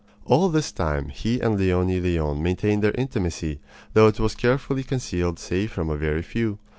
All this time he and Leonie Leon maintained their intimacy, though it was carefully concealed save from a very few.